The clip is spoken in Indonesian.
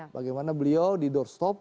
bagaimana beliau di doorstop